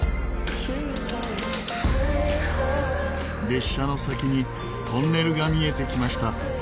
列車の先にトンネルが見えてきました。